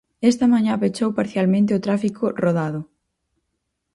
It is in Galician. Esta mañá pechou parcialmente ao tráfico rodado.